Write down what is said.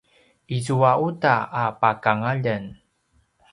izua uta a pakangaljen